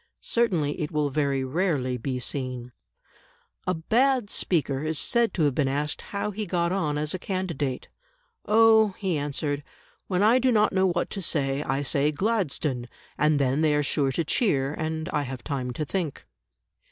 Certainly it will very rarely be seen. A bad speaker is said to have been asked how he got on as a candidate. "Oh," he answered, "when I do not know what to say, I say 'Gladstone,' and then they are sure to cheer, and I have time to think."